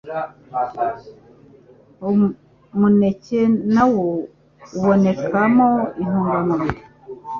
Umuneke nawo uboneka mo intungamubiri